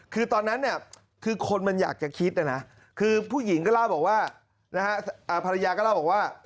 คือตอนนั้นเนี่ยคือคนมันอยากจะคิดนะนะคือผู้หญิงก็เล่าบอกว่าภรรยาก็เล่าบอกว่า